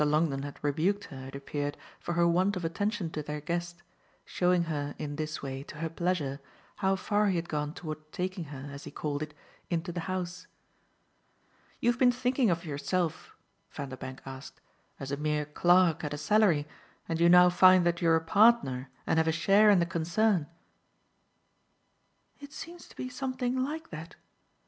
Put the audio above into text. Longdon had rebuked her, it appeared, for her want of attention to their guest, showing her in this way, to her pleasure, how far he had gone toward taking her, as he called it, into the house. "You've been thinking of yourself," Vanderbank asked, "as a mere clerk at a salary, and you now find that you're a partner and have a share in the concern?" "It seems to be something like that.